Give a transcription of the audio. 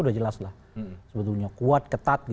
sudah jelaslah sebetulnya kuat ketat